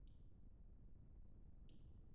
افغانستان د یورانیم له امله شهرت لري.